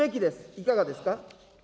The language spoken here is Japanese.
いかがですか。